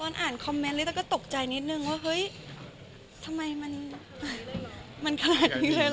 อ่านคอมเมนต์หรือต้าก็ตกใจนิดนึงว่าเฮ้ยทำไมมันขนาดนี้เลยเหรอ